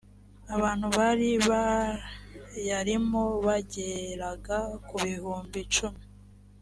abantu bari bayarimo bageraga ku bihumbi icumi